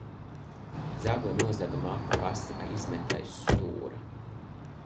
Zagle nozaga maku. Pasi izmeta aiz stūra.